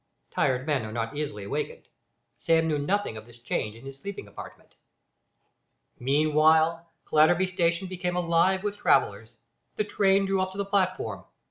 Tired men are not easily awakened. Sam knew nothing of this change in his sleeping apartment. Meanwhile Clatterby station became alive with travellers. The train drew up to the platform.